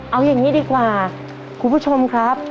เอาอย่างนี้ดีกว่าคุณผู้ชมครับ